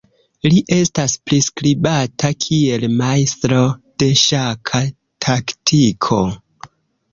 Li estas priskribata kiel majstro de ŝaka taktiko.